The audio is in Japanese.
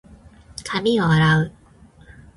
髪を洗う。